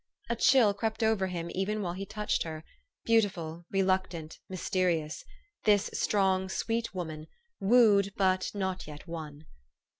A chill crept over him even while he touched her beautiful, reluctant, nrysterious this strong, sweet woman, wooed, but not yet won.